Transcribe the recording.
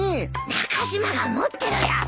中島が持ってろよ。